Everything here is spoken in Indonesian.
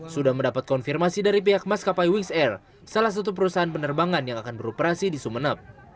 sudah mendapat konfirmasi dari pihak maskapai wings air salah satu perusahaan penerbangan yang akan beroperasi di sumeneb